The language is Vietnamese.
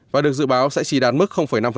và được dự báo sẽ trì đạt mức năm